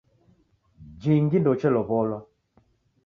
Jingi ndeuchelow'olwa!